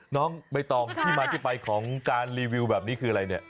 น้องใบตองที่มาที่ไปของการรีวิวแบบนี้คืออะไรเนี่ย